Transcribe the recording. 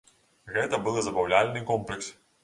Гэта былы забаўляльны комплекс.